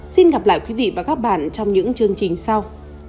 xin gặp lại quý vị và các bạn trong những chương trình sau